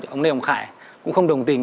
ông lê hồng khải cũng không đồng tình